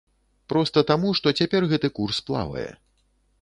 Проста таму, што цяпер гэты курс плавае.